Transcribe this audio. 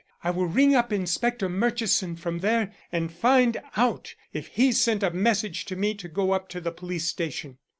"I will ring up Inspector Murchison from there and find out if he sent a message to me to go up to the police station."